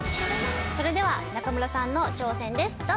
それでは中村さんの挑戦です。